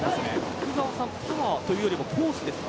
福澤さんパワーというよりコースですか？